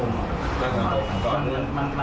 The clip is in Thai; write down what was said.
มีใช่คนคนเดียวเนอะ